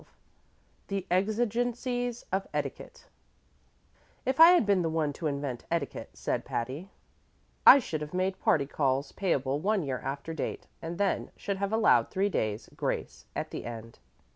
XII The Exigencies of Etiquette "If I had been the one to invent etiquette," said Patty, "I should have made party calls payable one year after date, and then should have allowed three days' grace at the end."